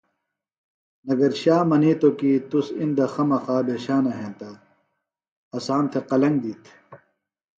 نگرشا منِیتوۡ کیۡ تُس اِندہ خمخا بھیشانہ ہینتہ اسام تھےۡ قلنگ دِیت